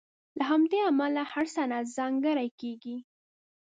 له همدې امله هر سند ځانګړی کېږي.